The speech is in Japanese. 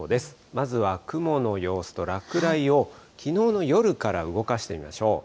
まずは雲の様子と落雷を、きのうの夜から動かしてみましょう。